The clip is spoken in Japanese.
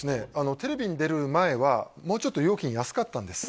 テレビに出る前はもうちょっと料金安かったんです